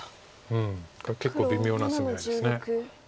うんこれは結構微妙な攻め合いです。